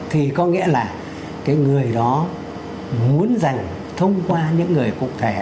thì có nghĩa là cái người đó muốn rằng thông qua những người cục thể